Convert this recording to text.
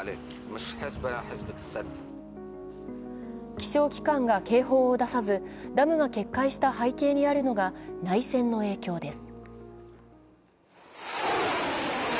気象機関が警報を出さずダムが決壊した背景にあるのが内戦の影響です